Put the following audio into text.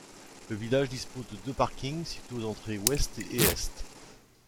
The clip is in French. Le village dispose de deux parkings, situés aux entrées ouest et est.